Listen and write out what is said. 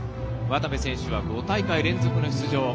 渡部選手は５大会連続の出場。